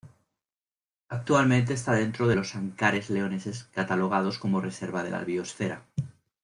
Actualmente está dentro de los Ancares Leoneses catalogados como Reserva de la Biosfera.